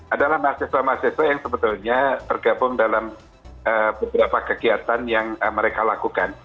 adalah mahasiswa mahasiswa yang sebetulnya tergabung dalam beberapa kegiatan yang mereka lakukan